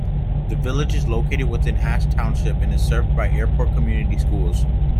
The village is located within Ash Township and is served by Airport Community Schools.